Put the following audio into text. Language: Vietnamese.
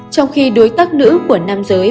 trong khi đối tác nữ của nam giới